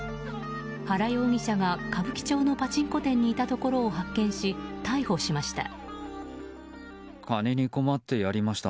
原容疑者が歌舞伎町のパチンコ店にいたところを発見し逮捕しました。